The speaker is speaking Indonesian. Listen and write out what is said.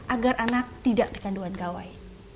agar anak tidak kecanduan gawai